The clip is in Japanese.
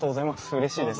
うれしいです。